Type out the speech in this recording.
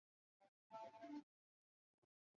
曾与张佛泉创办独立时论社。